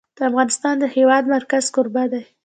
افغانستان د د هېواد مرکز کوربه دی.